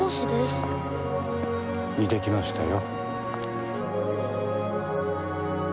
似てきましたよ。